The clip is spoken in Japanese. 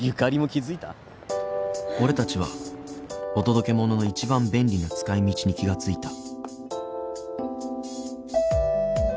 ［俺たちはオトドケモノの一番便利な使い道に気が付いた］